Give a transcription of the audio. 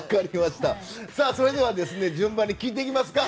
それでは順番に聞いていきますか。